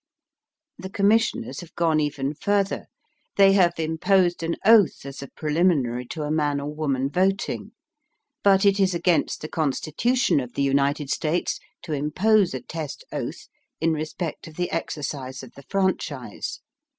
The Commissioners have gone even further. They have imposed an oath as a preliminary to a man or woman voting. But it is against the Constitution of the United States to impose a test oath in respect of the exercise of the franchise.